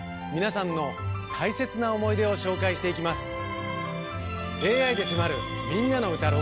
皆さんの大切な思い出を紹介していきます。